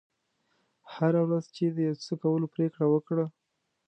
هره ورځ چې د یو څه کولو پرېکړه وکړه.